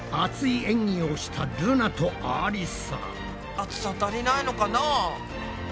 熱さ足りないのかな？